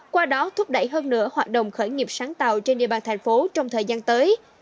qua đó thúc đẩy hơn nửa hoạt động khởi nghiệp sáng tạo trên địa bàn thành phố trong thời gian tới